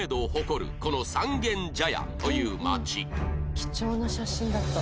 「貴重な写真だった」